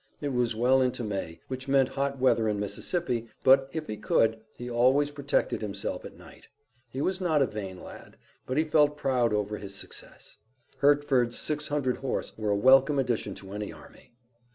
It was well into May, which meant hot weather in Mississippi, but, if he could, he always protected himself at night. He was not a vain lad, but he felt proud over his success. Hertford's six hundred horse were a welcome addition to any army.